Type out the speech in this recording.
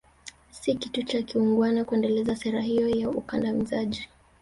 Si kitu cha kiungwana kuendeleza sera hiyo ya ukandamizaji